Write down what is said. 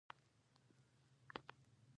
دنیوي سعادت له اخروي سعادته بېل دی.